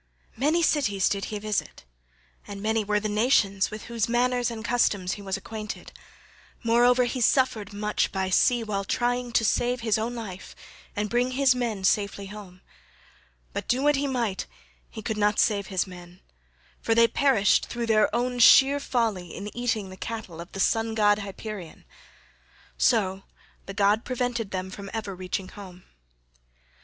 Many cities did he visit, and many were the nations with whose manners and customs he was acquainted; moreover he suffered much by sea while trying to save his own life and bring his men safely home; but do what he might he could not save his men, for they perished through their own sheer folly in eating the cattle of the Sun god Hyperion; so the god prevented them from ever reaching home.